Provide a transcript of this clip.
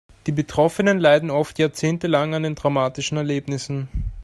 Die Betroffenen leiden oft jahrzehntelang an den traumatischen Erlebnissen.